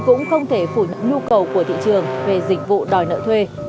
cũng không thể phủ nhận nhu cầu của thị trường về dịch vụ đòi nợ thuê